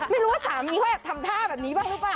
ไม่รู้ว่าสามีเขาแอบทำท่าแบบนี้บ้างหรือเปล่า